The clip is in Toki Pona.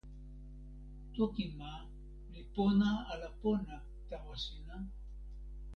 toki ma li pona ala pona tawa sina?